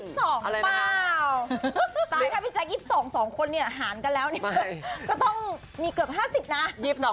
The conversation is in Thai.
๒๒เปล่าตายถ้าไปจักร๒๒๒คนเนี่ยหารกันแล้วเนี่ยก็ต้องมีเกือบ๕๐นะ